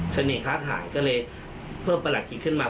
เสน่ห์ค้าขายก็เลยเพิ่มประหลัดขีดขึ้นมา